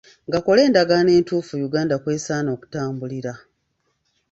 Gakole endagaano entuufu Uganda kw'esaana okutambulira.